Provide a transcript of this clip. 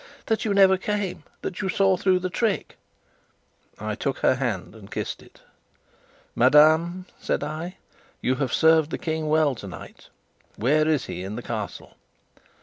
"That you never came that you saw through the trick." I took her hand and kissed it. "Madame," said I, "you have served the King well tonight. Where is he in the Castle?"